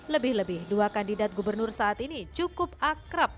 lebih lebih dua kandidat gubernur saat ini cukup akrab